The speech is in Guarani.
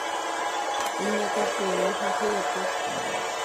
Iñakãperõ ha hyepo